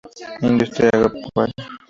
Industria agropecuaria.